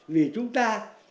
vì chúng ta